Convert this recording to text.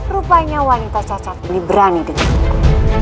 rupanya wanita cacat ini berani dengar